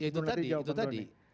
itu tadi itu tadi